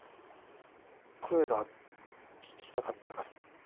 声が聞きたかったから。